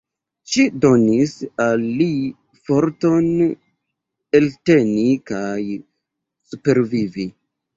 Ŝi donis al li forton elteni kaj supervivi.